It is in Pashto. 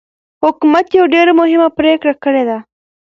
حکومت يوه ډېره مهمه پرېکړه کړې ده.